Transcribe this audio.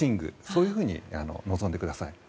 そういうふうに臨んでください。